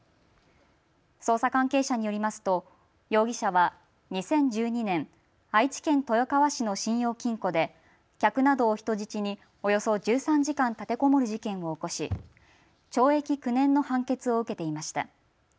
捜査関係者によりますと容疑者は２０１２年、愛知県豊川市の信用金庫で客などを人質におよそ１３時間立てこもる事件を起こし、懲役９年の判決を受けていました。